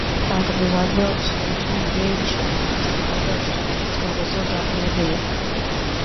Tātad uz atbildes sniegšanas brīdi šo dienesta pārbaudes rakstisko rezultātu nebija.